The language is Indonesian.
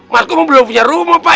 markumu belum punya rumah pak